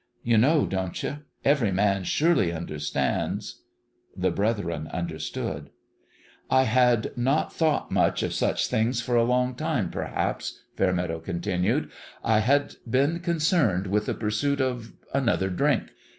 " You know, don't you ?... Every man, surely, understands. ..." The brethren understood. " I had not thought much or such things for a long time, perhaps," Fairmeadow continued. " I had been concerned with the pursuit of another drink.